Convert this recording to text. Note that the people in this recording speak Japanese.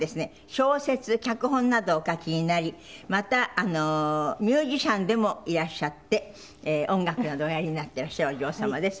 小説脚本などをお書きになりまたミュージシャンでもいらっしゃって音楽などおやりになってらっしゃるお嬢様です。